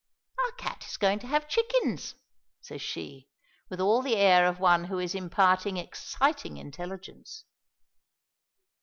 "Our cat is going to have chickens!" says she, with all the air of one who is imparting exciting intelligence.